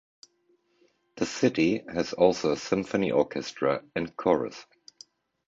The city also has a symphony orchestra and chorus.